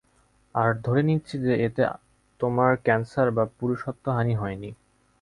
আর ধরে নিচ্ছি যে এতে তোমার ক্যান্সার বা পুরুষত্বহানি হয়নি।